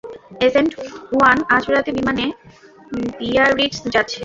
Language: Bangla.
এজেন্ট ওয়ান আজ রাতে বিমানে বিয়ারিটজ যাচ্ছে।